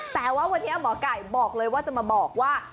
แต่ว่าวันนี้หมอไก่บอกเลยว่าจะมาบอกว่า